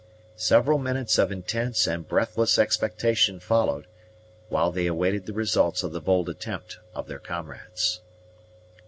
Several minutes of intense and breathless expectation followed, while they awaited the results of the bold attempt of their comrades.